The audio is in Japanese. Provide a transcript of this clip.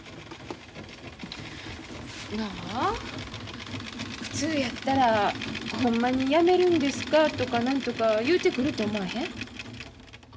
なあ普通やったら「ほんまにやめるんですか」とか何とか言うてくると思わへん？